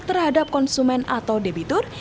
terhadap konsumen atau dep kolektor